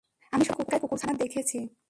আমি সব জায়গায় কুকুরছানা দেখেছি!